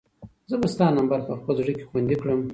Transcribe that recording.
زه به ستا نمبر په خپل زړه کې خوندي کړم.